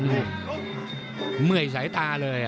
เหนื่อยสายตาเลย